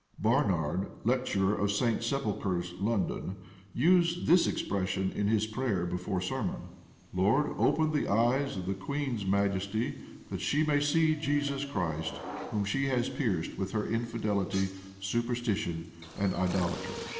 Barnard, lecturer of St. Sepulchre's, London, used this expression in his prayer before sermon: "Lord, open the eyes of the queen's majesty, that she may see Jesus Christ, whom she has pierced with her infidelity, superstition, and idolatry."